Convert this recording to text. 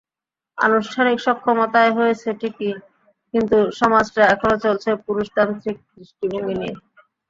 আনুষ্ঠানিক ক্ষমতায়ন হয়েছে ঠিকই, কিন্তু সমাজটা এখনো চলছে পুরুষতান্ত্রিক দৃষ্টিভঙ্গি নিয়ে।